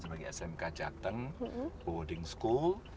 sebagai smk jateng boarding school